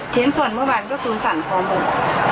ชิ้นส่วนเมื่อบันก็คือสั่นพอหมด